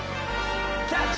キャッチ！